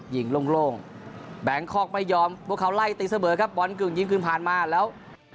ยิงโล่งแบงคอกไม่ยอมพวกเขาไล่ตีเสมอครับบอลกึ่งยิงกึ่งผ่านมาแล้ว